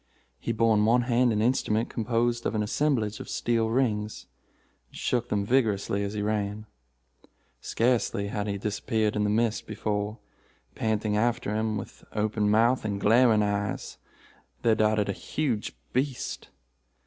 He bore in one hand an instrument composed of an assemblage of steel rings, and shook them vigorously as he ran. Scarcely had he disappeared in the mist before, panting after him, with open mouth and glaring eyes, there darted a huge beast.